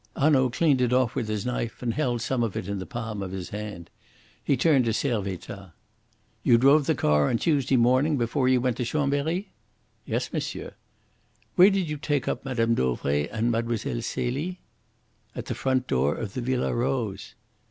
Hanaud cleaned it off with his knife and held some of it in the palm of his hand. He turned to Servettaz. "You drove the car on Tuesday morning before you went to Chambery?" "Yes, monsieur." "Where did you take up Mme. Dauvray and Mlle. Celie?" "At the front door of the Villa Rose."